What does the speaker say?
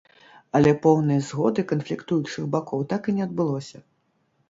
Але поўнай згоды канфліктуючых бакоў так і не адбылося.